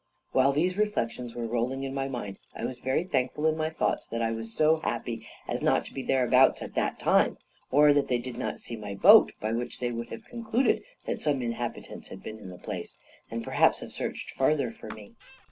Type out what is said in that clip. While these reflections were rolling in my mind, I was very thankful in my thoughts that I was so happy as not to be thereabouts at that time, or that they did not see my boat, by which they would have concluded that some inhabitants had been in the place, and perhaps have searched farther for me.